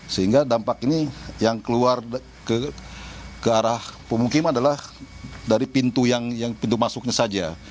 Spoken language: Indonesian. sehingga dampak ini yang keluar ke arah pemukiman adalah dari pintu yang pintu masuknya saja